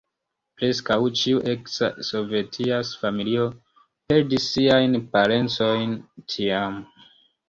Preskaŭ ĉiu eksa sovetia familio perdis siajn parencojn tiam.